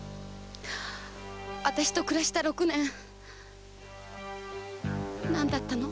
私と暮らした六年何だったの？